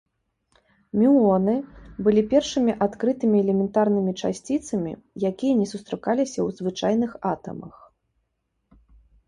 Мюоны былі першымі адкрытымі элементарнымі часціцамі, якія не сустракаліся ў звычайных атамах.